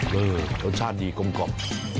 รสชาติดีกลมกรอบ